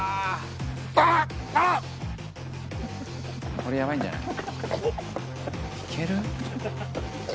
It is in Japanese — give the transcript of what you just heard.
これやばいんじゃない？